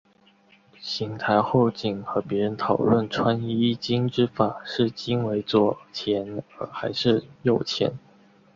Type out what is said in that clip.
行台侯景和别人讨论穿衣衣襟之法是襟为左前还是右前。